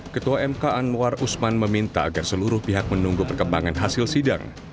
ketua mk anwar usman meminta agar seluruh pihak menunggu perkembangan hasil sidang